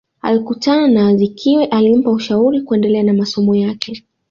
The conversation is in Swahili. Alikutana na Azikiwe alimpa ushauri kuendelea na masomo yake